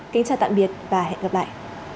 kính chào tạm biệt và hẹn gặp lại